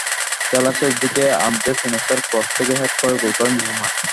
খেলার শেষ দিকে আন্দ্রেস ইনিয়েস্তার ক্রস থেকে হেড করে গোল করেন নেইমার।